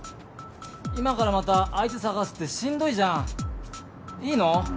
今からまた相手探すってしんどいじゃんいいの？